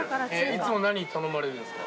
いつも何頼まれるんですか？